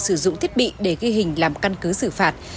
sử dụng thiết bị để ghi hình làm căn cứ xử phạt